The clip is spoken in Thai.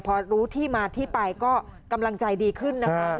พอรู้ที่มาที่ไปก็กำลังใจดีขึ้นนะคะ